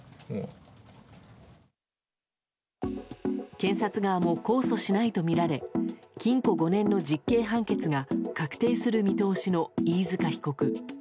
検察側も控訴しないとみられ禁錮５年の実刑判決が確定する見通しの飯塚被告。